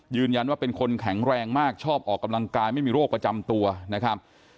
ยืนยันว่าเป็นคนแข็งแรงมากชอบออกกำลังกายไม่มีโรคประจำตัวนะครับ